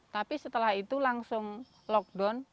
tapi setelah itu langsung lockdown